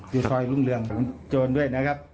อยู่ทรอยรุ่งเรืองจนด้วยนะครับ